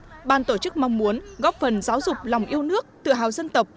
trưởng ban tổ chức mong muốn góp phần giáo dục lòng yêu nước tự hào dân tộc